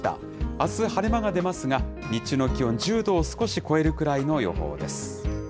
あす晴れ間が出ますが、日中の気温１０度を少し超えるくらいの予報です。